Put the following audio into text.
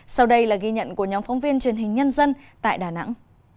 sau đây là ghi nhận của nhóm phóng viên truyền hình nhân dân tại đà nẵng